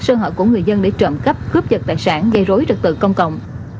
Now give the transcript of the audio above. sơ hội của người dân để trộm cắp cướp vật đại sản gây rối trật tự công cộng